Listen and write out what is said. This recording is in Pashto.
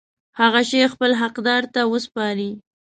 هغه شی خپل حقدار ته وسپاري.